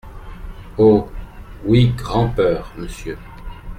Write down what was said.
Oh ! oui, grand’peur, monsieur !